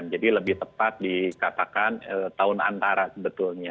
jadi lebih tepat dikatakan tahun antara sebetulnya